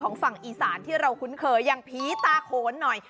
ฝั่งอีสานที่เราคุ้นเคยอย่างผีตาโขนหน่อย